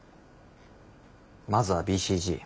まずはＢＣＧ。